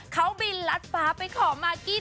เขาบินลัดฟ้าไปขอมากี้